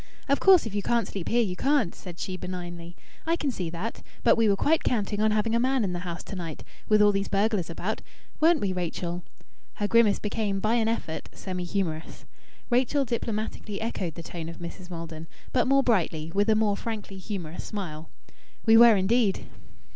"Of course if you can't sleep here, you can't," said she benignly. "I can see that. But we were quite counting on having a man in the house to night with all these burglars about weren't we, Rachel?" Her grimace became, by an effort, semi humorous. Rachel diplomatically echoed the tone of Mrs. Maldon, but more brightly, with a more frankly humorous smile "We were, indeed!"